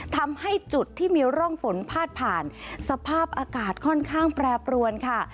ทำให้จุดที่มีร่องฝนพาดผ่านสภาพอากาศค่อนข้างแปรปรวนค่ะ